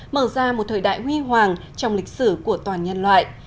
mở ra một thời đại huy hoàng trong lịch sử của toàn nhân loại